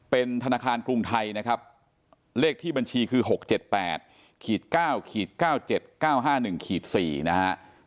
เป็นธนาคารกรุงไทยนะครับเลขที่บัญชีคือ๖๗๘๙๙๗๙๕๑๔นะฮะ